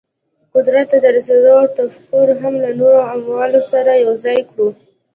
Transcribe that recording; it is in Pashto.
قدرت ته د رسېدو تفکر هم له نورو عواملو سره یو ځای کړو.